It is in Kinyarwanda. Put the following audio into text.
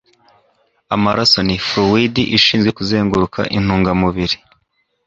Amaraso ni ﬂ uid ishinzwe kuzenguruka intungamubiri